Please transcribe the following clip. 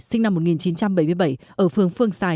sinh năm một nghìn chín trăm bảy mươi bảy ở phường phương xài